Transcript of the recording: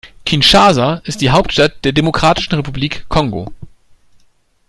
Kinshasa ist die Hauptstadt der Demokratischen Republik Kongo.